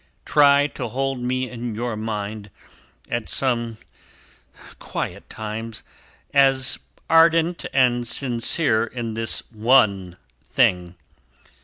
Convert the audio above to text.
Try to hold me in your mind, at some quiet times, as ardent and sincere in this one thing.